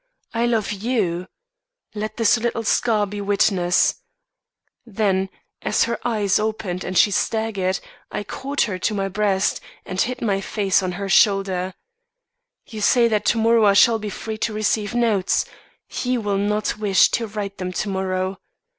I love you. Let this little scar be witness,' Then, as her eyes opened and she staggered, I caught her to my breast and hid my face on her shoulder. 'You say that to morrow I shall be free to receive notes. He will not wish to write them, tomorrow.